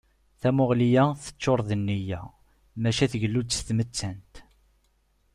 Tamuɣli-a teččur d nniya, maca tgellu-d s tmettant.